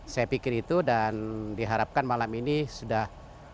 saya pikir itu dan diharapkan malam ini sudah